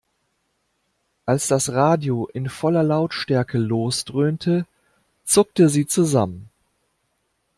Als das Radio in voller Lautstärke losdröhnte, zuckte sie zusammen.